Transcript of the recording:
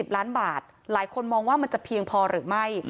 ล้านบาทหลายคนมองว่ามันจะเพียงพอหรือไม่